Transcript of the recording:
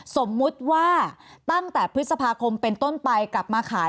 สมมุติว่าตั้งแต่พฤษภาคมเป็นต้นไปกลับมาขาย